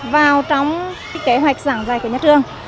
vào trong kế hoạch giảng dạy của nhà trường